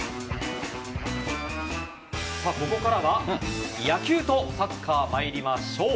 ここからは野球とサッカー参りましょう。